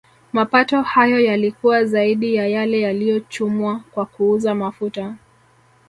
Mapato hayo yalikuwa zaidi ya yale yaliyochumwa kwa kuuza mafuta